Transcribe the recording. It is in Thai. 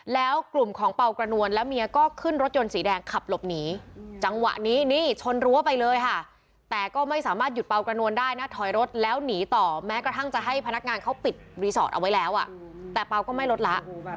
แล้วกลุ่มของเปล่ากระนวลและเมียก็ขึ้นรถยนต์สีแดงขับหลบหนีจังหวะนี้นี่ชนรั้วไปเลยค่ะแต่ก็ไม่สามารถหยุดเปล่ากระนวลได้นะถอยรถแล้วหนีต่อแม้กระทั่งจะให้พนักงานเขาปิดรีสอร์ทเอาไว้แล้วอ่ะแต่เปล่าก็ไม่ลดละ